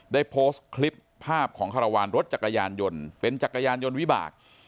ได้โพสต์คลิปภาพของคารวาลรถจักรยานยนต์เป็นจักรยานยนต์วิบาก